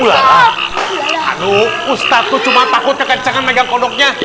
waduh ustadz tuh cuma takut kekencangan megang kodoknya